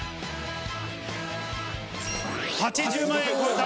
８０万円を超えた。